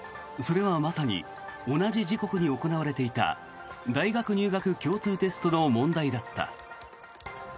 それはまさに同じ時刻に行われていた大学入学共通テストの問題だった。